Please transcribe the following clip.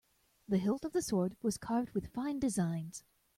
The hilt of the sword was carved with fine designs.